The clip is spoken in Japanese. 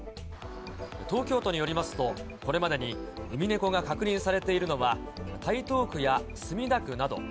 東京都によりますと、これまでにウミネコが確認されているのは、台東区や墨田区など。